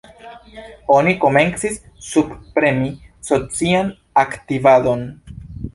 Oni komencis subpremi socian aktivadon.